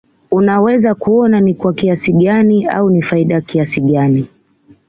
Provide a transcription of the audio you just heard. unaweza kuona ni kwa kiasi gani au ni faida kiasi gani